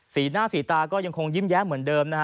สีหน้าสีตาก็ยังคงยิ้มแย้มเหมือนเดิมนะฮะ